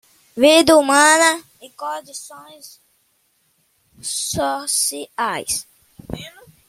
Vida humana e condições sociais